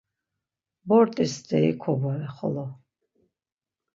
Bort̆i steri kobore xolo.